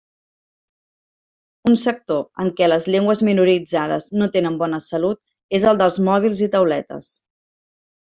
Un sector en què les llengües minoritzades no tenen bona salut és el dels mòbils i tauletes.